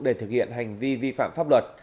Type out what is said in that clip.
để thực hiện hành vi vi phạm pháp luật